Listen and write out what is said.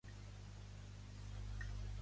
El seu cognom és Caso: ce, a, essa, o.